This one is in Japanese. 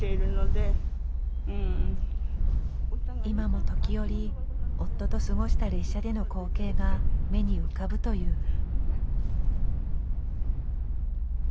今も時折夫と過ごした列車での光景が目に浮かぶという。